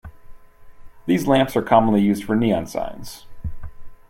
These lamps are commonly used for neon signs.